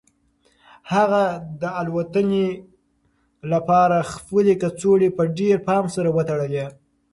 هغه د الوتنې لپاره خپلې کڅوړې په ډېر پام سره وتړلې.